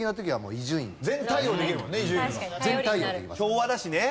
昭和だしね！